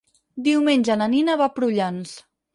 Diumenge na Nina va a Prullans.